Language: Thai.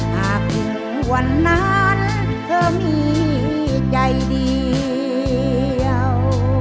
หากวันนั้นเธอมีใจเดียว